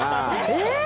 えっ！？